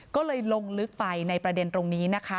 ก็เลยลงลึกไปในประเด็นตรงนี้นะคะ